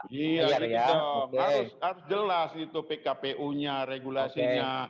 iya harus jelas itu pkpu nya regulasinya